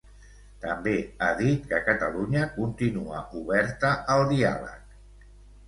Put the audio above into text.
També ha dit que Catalunya continua oberta al diàleg.